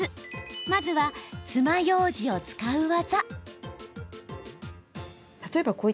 まずは、つまようじを使う技。